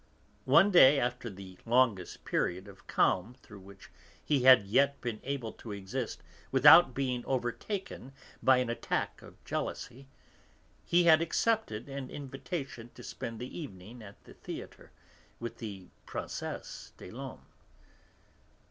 One day, after the longest period of calm through which he had yet been able to exist without being overtaken by an attack of jealousy, he had accepted an invitation to spend the evening at the theatre with the Princesse des Laumes.